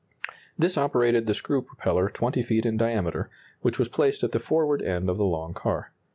This operated the screw propeller 20 feet in diameter, which was placed at the forward end of the long car.